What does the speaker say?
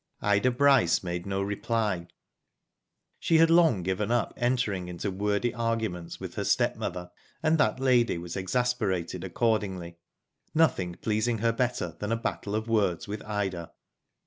Ida Bryce made no reply. She had long given up entering into wordy arguments with her step mother, and that lady was exasperated accordingly, nothing pleasing her better than a battle of words with Ida.